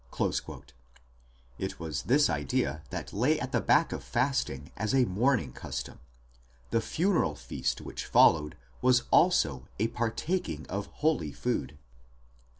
3 It was this idea which lay at the back of fasting as a mourning custom ; the funeral feast which followed was also a partaking of holy food.